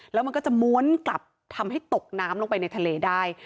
แล้วมันก็จะม้วนกลับทำให้ตกน้ำลงไปในทะเลได้